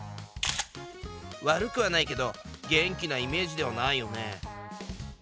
悪くはないけど元気なイメージではないよね。